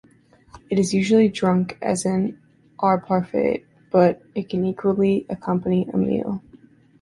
It is usually drunk as an aperitif but it can equally accompany a meal.